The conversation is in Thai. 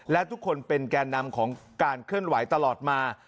และทุกคนเป็นแก่นำของการเคลื่อนไหวตลอดมา